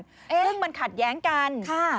ซึ่งมันขัดแย้งกันค่ะ